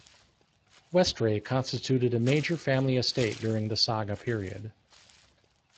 Westray constituted a major family estate during the saga period.